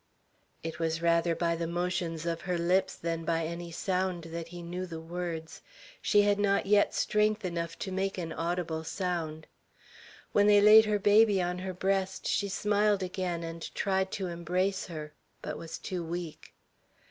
It was rather by the motions of her lips than by any sound that he knew the words. She had not yet strength enough to make an audible sound. When they laid her baby on her breast, she smiled again, and tried to embrace her, but was too weak.